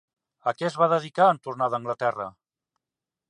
A què es va dedicar en tornar d'Anglaterra?